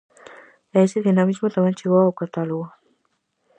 E ese dinamismo tamén chegou ao catálogo...